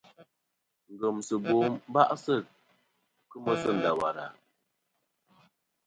Ngemsɨbo ba'sɨ kemɨ sɨ Ndawara.